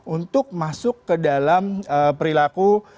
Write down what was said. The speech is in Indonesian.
untuk masuk ke dalam perilaku